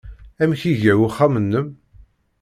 Amek iga uxxam-nnem?